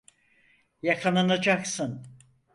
Yakalanacaksın.